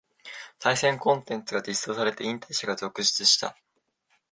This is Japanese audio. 対戦コンテンツが実装されて引退者が続出した